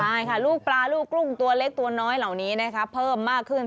ใช่ค่ะลูกปลาลูกกุ้งตัวเล็กตัวน้อยเหล่านี้นะคะเพิ่มมากขึ้น